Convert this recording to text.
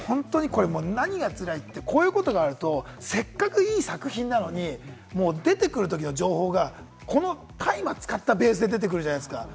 何がつらいって、こういうことがあると、せっかくいい作品なのに出てくるときの情報がこの大麻使ったベースで出てくるじゃないですか。